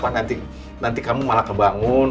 nanti kamu malah kebangun